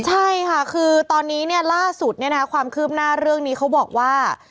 ใช่ค่ะคือตอนนี้เนี่ยล่าสุดเนี่ยครับความคืบหน้าเรื่องนี้เขาบอกว่า